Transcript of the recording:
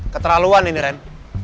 keterlaluan ini ren